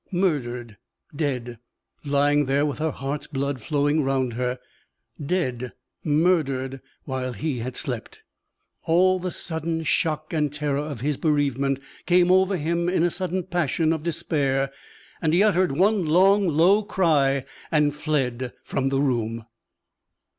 Murdered! dead! lying there with her heart's blood flowing round her! Dead! murdered! while he had slept! All the sudden shock and terror of his bereavement came over him in a sudden passion of despair. He uttered one long, low cry, and fled from the room.